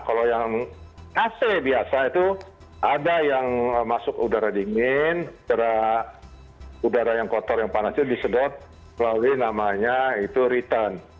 kalau yang ac biasa itu ada yang masuk udara dingin udara yang kotor yang panas itu disedot melalui namanya itu return